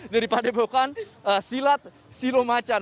dari padebukan silat silomacan